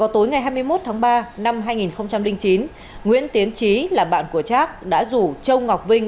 tối ngày hai mươi một tháng ba năm hai nghìn chín nguyễn tiến trí là bạn của trác đã rủ châu ngọc vinh